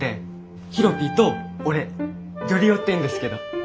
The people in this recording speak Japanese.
ヒロピーと俺ギョリ夫っていうんですけど。